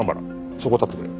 そこへ立ってくれ。